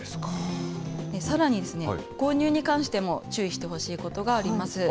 さらに、購入に関しても注意してほしいことがあります。